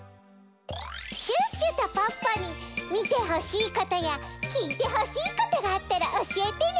シュッシュとポッポにみてほしいことやきいてほしいことがあったらおしえてね！